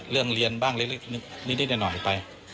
เรื่องเรียนอีกนิดและนี่ไป